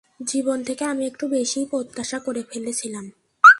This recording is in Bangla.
জীবন থেকে আমি একটু বেশিই প্রত্যাশা করে ফেলেছিলাম।